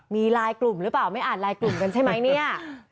มีไลน์กลุ่มหรือเปล่าไม่อ่านไลน์กลุ่มกันใช่ไหมเนี่ย